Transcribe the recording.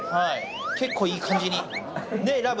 結構いい感じに、ね、ラブ。